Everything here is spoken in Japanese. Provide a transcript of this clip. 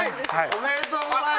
ありがとうございます。